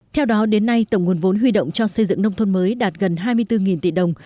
theo đó đến nay tổng nguồn vốn huy động cho xây dựng nông thôn mới đạt gần hai mươi bốn tỷ đồng